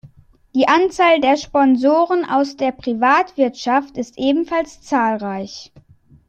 Die Anzahl der Sponsoren aus der Privatwirtschaft ist ebenfalls zahlreich.